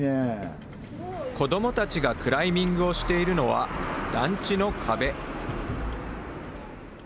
ＯＫ、ＯＫ、子どもたちがクライミングをしているのは、団地の壁。